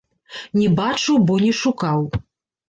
Не бачыў, бо не шукаў!